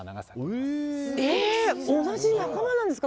同じ仲間なんですか。